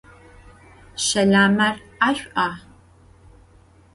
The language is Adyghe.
Şelamer 'eş'ua?